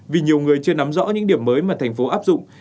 vì nhiều người chưa nắm rõ những điểm mới mà thành phố áp dụng